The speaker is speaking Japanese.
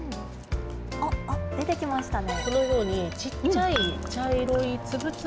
あっ、出てきましたね。